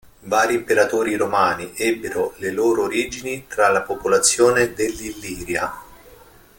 Vari imperatori romani ebbero le loro origini tra la popolazione dell'Illiria.